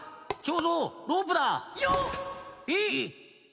えっ⁉